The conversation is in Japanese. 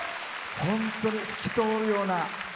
本当に透き通るような。